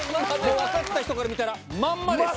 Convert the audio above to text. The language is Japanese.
分かった人が見たらまんまです。